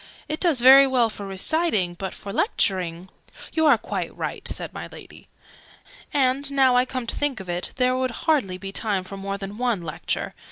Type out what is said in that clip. It does very well for reciting; but for lecturing " "You are quite right," said my Lady. "And, now I come to think of it, there would hardly be time for more than one Lecture.